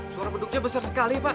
suara beduknya besar sekali pak